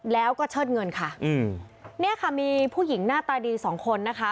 แล้วก็เชิดเงินค่ะอืมเนี่ยค่ะมีผู้หญิงหน้าตาดีสองคนนะคะ